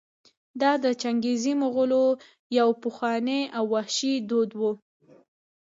دا د چنګېزي مغولو یو پخوانی او وحشي دود و.